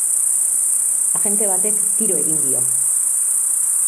Agente batek tiro egin dio.